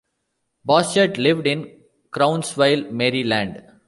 Boschert lived in Crownsville, Maryland.